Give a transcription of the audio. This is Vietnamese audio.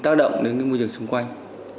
táo động đến môi trường xung quanh